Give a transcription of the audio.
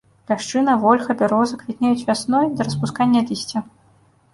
Ляшчына, вольха, бяроза квітнеюць вясной, да распускання лісця.